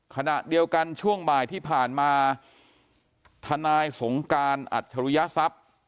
ขณะเดียวกันช่วงบ่ายที่ผ่านมาทนายสงการอัจฉริยทรัพย์